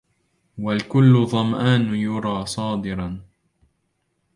والكلُّ ظمآنُ يُرَى صادِراً